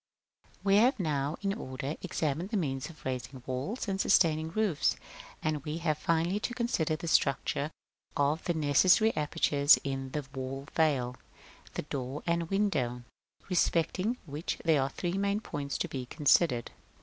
§ I. We have now, in order, examined the means of raising walls and sustaining roofs, and we have finally to consider the structure of the necessary apertures in the wall veil, the door and window; respecting which there are three main points to be considered.